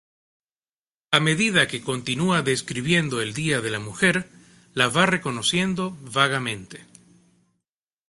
A medida que continúa describiendo el día de la mujer, la va reconociendo vagamente.